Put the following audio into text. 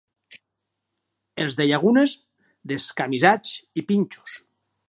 Els de Llagunes, descamisats i pinxos.